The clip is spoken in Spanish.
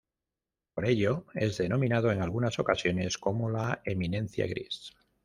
Por ello es denominado en algunas ocasiones como la "eminencia gris".